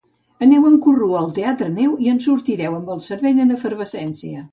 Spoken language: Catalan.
Aneu en corrua al Teatreneu i en sortireu amb el cervell en efervescència.